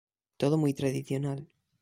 Todo muy tradicional.